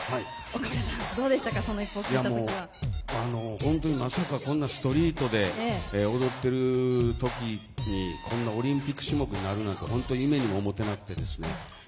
本当にまさかこんなストリートで踊ってる時にオリンピック種目になるとは夢にも思ってなくてですね。